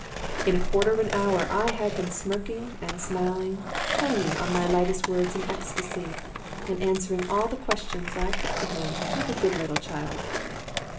In a quarter of an hour I had him smirking and smiling, hanging on my lightest words in an ecstasy, and answering all the questions I put to him like a good little child.